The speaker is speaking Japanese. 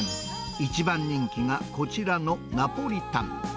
一番人気がこちらのナポリタン。